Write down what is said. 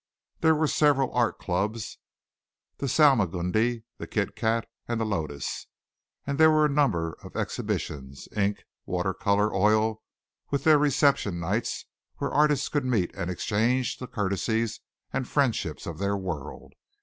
There were several art clubs the Salmagundi, the Kit Kat and the Lotus and there were a number of exhibitions, ink, water color, oil, with their reception nights where artists could meet and exchange the courtesies and friendship of their world.